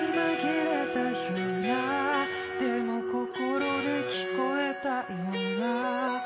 「でも心で聞こえたような」